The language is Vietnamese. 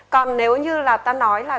còn nếu như là ta nói là